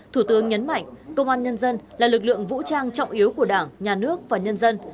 thủ tướng nhấn mạnh công an nhân dân là lực lượng vũ trang trọng yếu của đảng nhà nước và nhân dân